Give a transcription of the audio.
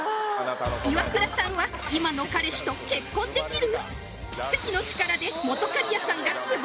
イワクラさんは今の彼氏と結婚できる？